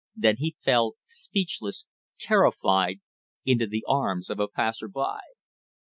Then he fell, speechless, terrified, into the arms of a passer by.